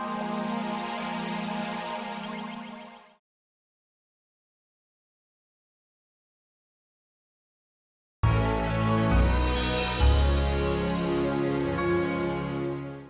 tidak ada yang bisa diberi pengetahuan